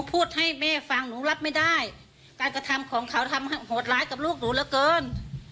พูดให้แม่ฟังหนูรับไม่ได้การกระทำของเขาทำโหดร้ายกับลูกหนูเหลือเกิน